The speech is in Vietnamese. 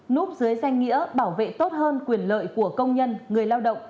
núp dưới danh nghĩa bảo vệ tốt hơn quyền lợi của công nhân người lao động